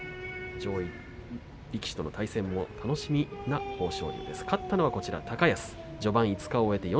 上位力士との対戦も楽しみな豊昇龍です。